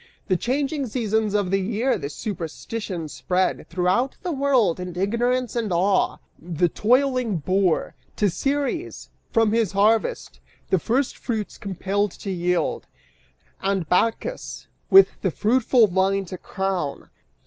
The changing seasons of the year the superstition spread Throughout the world; and Ignorance and Awe, the toiling boor, To Ceres, from his harvest, the first fruits compelled to yield And Bacchus with the fruitful vine to crown.